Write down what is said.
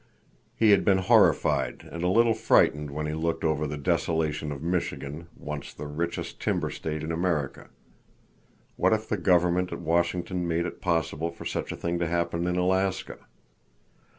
He had been horrified and a little frightened when he looked over the desolation of Michigan, once the richest timber state in America. What if the Government at Washington made it possible for such a thing to happen in Alaska?